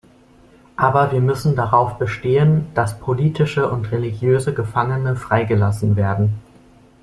Aber wir müssen darauf bestehen, dass politische und religiöse Gefangene freigelassen werden.